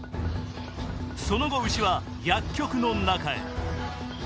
その後、牛は薬局の中へ。